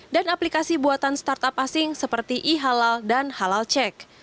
dan aplikasi buatan startup asing seperti ehalal dan halalcheck